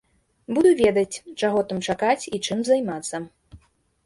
Буду ведаць, чаго там чакаць і чым займацца.